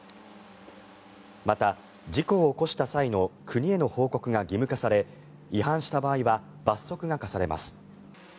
また、事故を起こした際の国への報告が義務化され違反した場合は罰則が科されます。